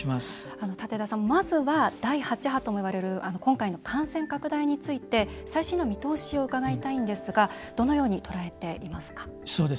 舘田さん、まずは第８波ともいわれる今回の感染拡大について最新の見通しを伺いたいんですがどのように捉えていますか？